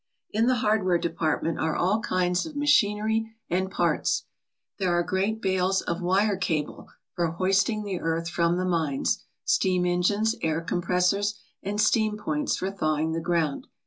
In the hardware department are all kinds of ma chinery and parts. There are great bales of wire cable for hoisting the earth from the mines, steam engines, air compressors, and steam points for thawing the ground.